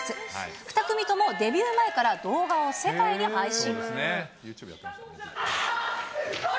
２組ともデビュー前から動画を世界に配信。